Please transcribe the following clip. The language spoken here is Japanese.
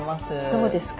どうですか？